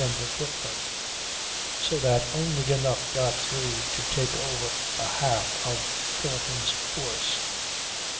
] so that only enough got through to take over a half of Thornton's force.